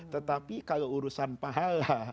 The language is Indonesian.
tetapi kalau urusan pahala